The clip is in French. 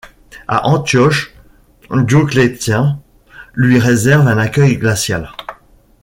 À Antioche, Dioclétien lui réserve un accueil glacial.